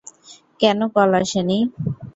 কোনো কল আসে নি?